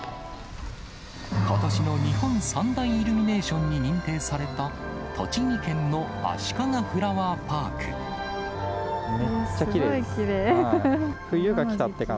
ことしの日本三大イルミネーションに認定された、栃木県のあしかめっちゃきれい。